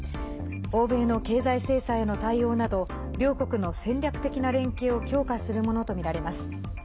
欧米の経済制裁への対応など両国の戦略的な連携を強化するものとみられます。